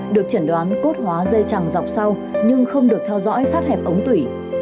được chẩn đoán cốt hóa dây chẳng dọc sau nhưng không được theo dõi sát hẹp ống tủy